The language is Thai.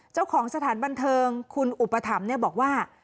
เจ้าของสถานบันเทิงคุณอุปถัมภ์เนี่ยบอกว่า